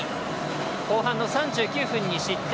後半の３９分に失点。